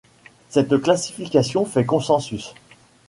Cette classification fait consensus.